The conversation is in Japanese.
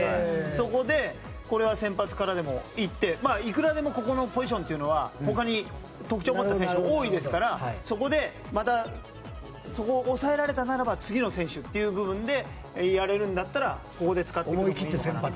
そこで、これは先発からでも行っていくらでも、ここのポジションは他に特徴を持った選手が多いですからそこでまた、抑えられたならば次の選手という部分でやれるんだったらここで使ってほしいと。